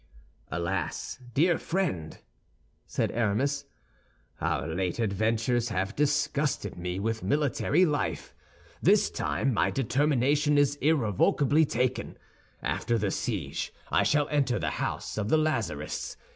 "Alas, dear friend!" said Aramis, "our late adventures have disgusted me with military life. This time my determination is irrevocably taken. After the siege I shall enter the house of the Lazarists.